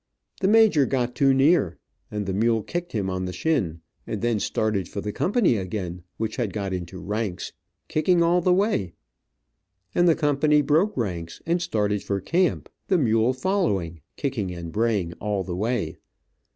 The major got too near and the mule kicked him on the shin, and then started for the company again, which had got into ranks, kicking all the way, and the company broke ranks and started for camp, the mule following, kicking and braying all the way.